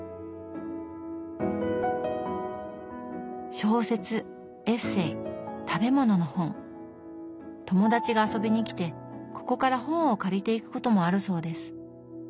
小説エッセー食べ物の本友達が遊びに来てここから本を借りていくこともあるそうです。